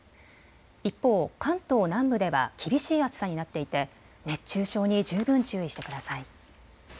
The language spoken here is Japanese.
一方、関東南部では厳しい暑さになっていて熱中症に十分注意してください。